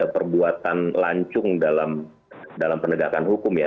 perbuatan lancung dalam penegakan hukum ya